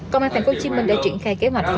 công an tp hcm đã triển khai kế hoạt phá